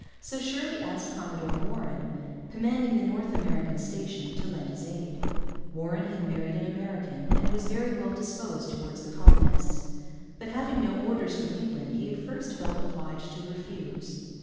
So Shirley asked Commodore Warren, commanding the North American station, to lend his aid. Warren had married an American and was very well disposed towards the colonists. But, having no orders from England, he at first felt obliged to refuse.